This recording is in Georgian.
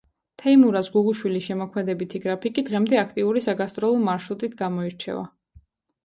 თეიმურაზ გუგუშვილის შემოქმედებითი გრაფიკი დღემდე აქტიური საგასტროლო მარშრუტით გამოირჩევა.